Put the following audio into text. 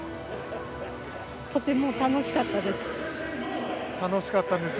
とても、楽しかったです。